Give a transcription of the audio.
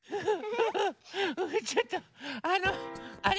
ちょっとあのあれ？